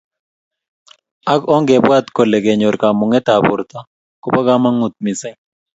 ak onge bwat kole kenyor kamunget eng borto kobo kamangut mising